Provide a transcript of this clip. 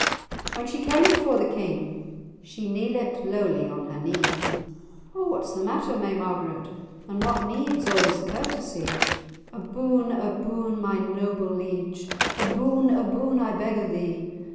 [#] Clothing. When she came before the King, She kneelit lowly on her knee— "O what's the matter, may Margaret? And what needs a' this courtesie?" "A boon, a boon, my noble liege, A boon, a boon, I beg o' thee!